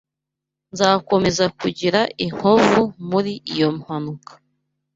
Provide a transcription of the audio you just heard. Nzakomeza kugira inkovu muri iyo mpanuka.